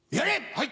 はい！